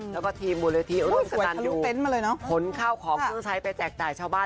แล้วก็ทีมบริเวณสตันดูผลเข้าของเครื่องใช้ไปจากหลายชาวบ้าน